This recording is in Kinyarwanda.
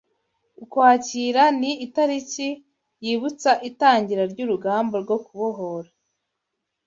Ukwakira, ni itariki yibutsa itangira ry’urugamba rwo kubohora